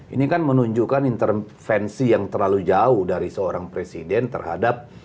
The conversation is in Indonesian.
ini kan menunjukkan intervensi yang terlalu jauh dari seorang presiden terhadap